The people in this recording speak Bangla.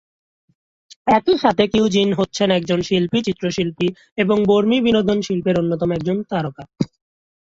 একই সাথে কিউ জিন হচ্ছেন একজন শিল্পী, চিত্রশিল্পী এবং বর্মী বিনোদন শিল্পের অন্যতম একজন তারকা।